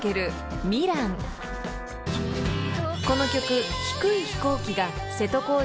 ［この曲］